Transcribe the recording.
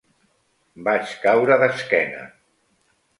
Vaig caure d'esquena.